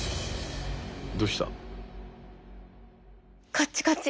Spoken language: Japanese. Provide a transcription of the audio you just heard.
こっちこっち！